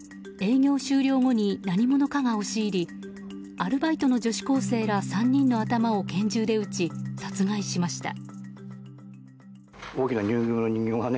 営業終了後に何者かが押し入りアルバイトの女子高生ら３人の頭を拳銃で撃ち、殺害しました。